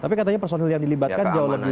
tapi katanya personil yang dilibatkan jauh lebih